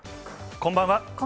こんばんは。